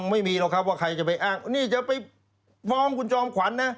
ไม่มีหรอกครับว่าใครจะไปอ้างนี่จะไปฟ้องคุณจอมขวัญนะ